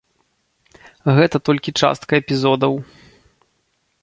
Гэта толькі частка эпізодаў.